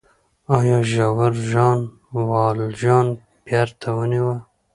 آیا ژاور ژان والژان بېرته ونیوه؟